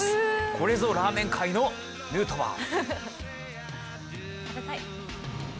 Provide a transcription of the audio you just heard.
これぞラーメン界のヌートバー。